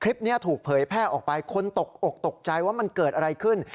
คลิปนี้ถูกเผยแพร่ออกไปคนตกอกตกใจว่ามันเกิดอะไรขึ้น